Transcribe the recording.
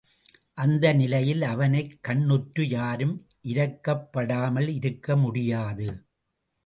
அந்த நிலையில் அவனைக் கண்ணுற்ற யாரும் இரக்கப்படாமலிருக்கமுடியாது.